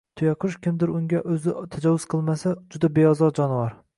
Tuyaqush kimdir unga o‘zi tajovuz qilmasa, juda beozor jonivor.